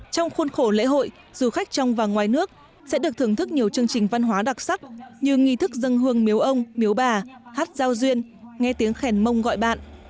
trong khuôn khổ lễ hội du khách trong và ngoài nước sẽ được thưởng thức nhiều chương trình văn hóa đặc sắc như nghi thức dân hương miếu ông miếu bà hát giao duyên nghe tiếng khen mông gọi bạn